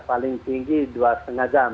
paling tinggi dua lima jam